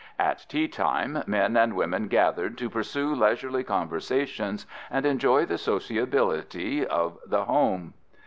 At teatime men and women gathered to pursue leisurely conversations and enjoy the sociability of the home.